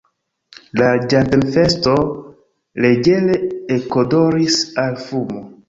La ĝardenfesto leĝere ekodoris al fumo.